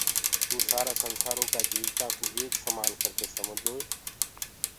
توُ سآرآ سنسآرو ڪآ جيوتآنٚ ڪو ايڪ سمآن ڪرڪي سمجدوئي